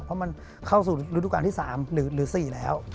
เพราะมันเข้าสู่ฤดูการที่๓หรือ๔แล้ว